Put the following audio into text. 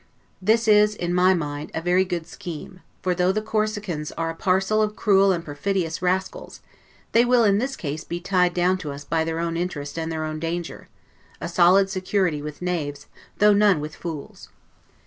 This is, in my mind, a very good scheme; for though the Corsicans are a parcel of cruel and perfidious rascals, they will in this case be tied down to us by their own interest and their own danger; a solid security with knaves, though none with fools.